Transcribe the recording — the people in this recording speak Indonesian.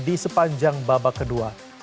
di sepanjang babak kedua